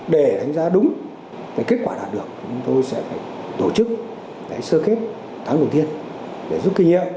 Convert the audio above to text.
để đánh giá đúng kết quả đạt được chúng tôi sẽ phải tổ chức sơ kết tháng đầu tiên để giúp kinh nghiệm